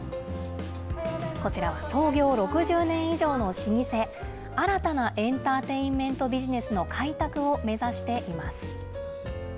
こちらは創業６０年以上の老舗、新たなエンターテインメントビジネスの開拓を目指しています。